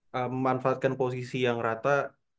memanfaatkan posisi yang rata